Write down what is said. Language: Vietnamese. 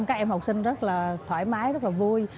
các em học sinh rất là thoải mái rất là vui